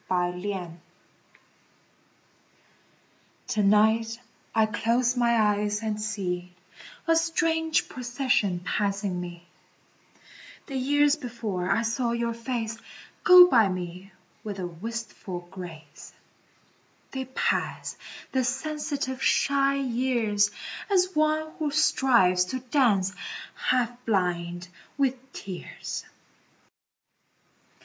The Years To night I close my eyes and see A strange procession passing me The years before I saw your face Go by me with a wistful grace; They pass, the sensitive, shy years, As one who strives to dance, half blind with tears.